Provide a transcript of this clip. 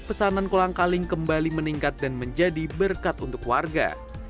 pesanan kolang kaling kembali meningkat dan menjadi berkat untuk warga